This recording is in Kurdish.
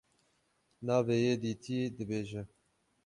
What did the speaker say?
navê yê dîtiyî dibêje.